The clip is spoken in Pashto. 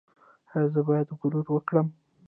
ایا زه باید غرور وکړم؟